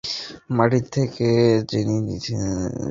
দেশের মাটি থেকে জঙ্গি নিশ্চিহ্ন করতে ইতিমধ্যে ব্যবস্থা গ্রহণ করা হয়েছে।